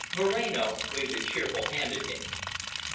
Moreno waved a cheerful hand at him.